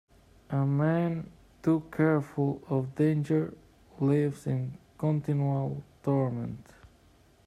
A man too careful of danger lives in continual torment.